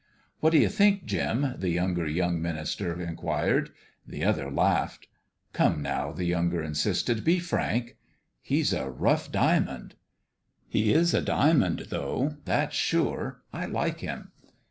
" What do you think, Jim? " the younger young minister inquired. The other laughed. " Come, now 1 " the younger insisted. " Be frank." " He's a rough diamond." " He is a diamond, though. That's sure. I like him."